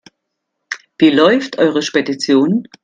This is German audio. Wie läuft eure Spedition?